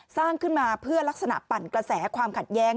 สร้างขึ้นมาเพื่อลักษณะปั่นกระแสความขัดแย้ง